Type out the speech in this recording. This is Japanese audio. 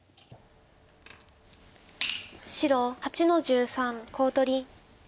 白８の十三コウ取り。